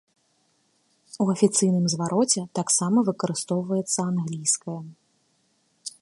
У афіцыйным звароце таксама выкарыстоўваецца англійская.